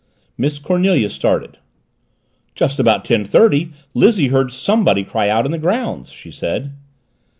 Miss Cornelia started. "Just about ten thirty Lizzie heard somebody cry out, in the grounds," she said.